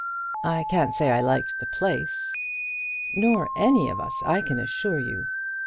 I can't say I liked the place." "Nor any of us, I can assure you.